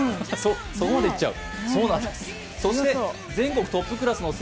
そこまでいっちゃう。